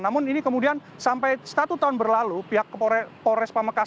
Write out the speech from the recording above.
namun ini kemudian sampai satu tahun berlalu pihak polres pamekasan